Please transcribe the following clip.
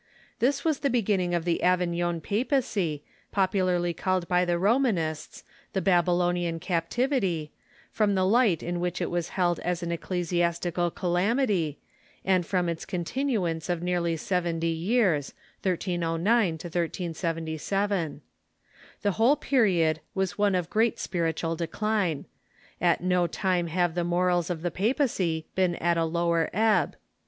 This Avas the beginning of the Avignon papacy, popularly called by the Romanists " The Babylonian Captivity," from the light in which it Avas held as an ecclesiastical calamity, and from its continuance of nearly seventy years (1309 to 1377). The AA'hole period Avas one of great spiritual decline. At no time have the morals of the papacy been at a lower ebb.